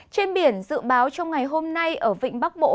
trên biển dự báo trong ngày hôm nay ở vịnh bắc bộ